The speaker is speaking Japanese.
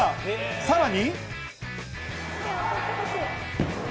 さらに。